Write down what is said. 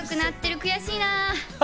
悔しいな！